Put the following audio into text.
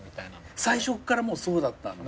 最初からそうだったんだ。